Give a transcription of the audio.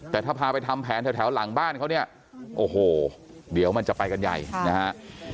แต่ถ้าพาไปทำแผนแถวหลังบ้านเขาเนี่ยโอ้โหเดี๋ยวมันจะไปกันใหญ่นะฮะ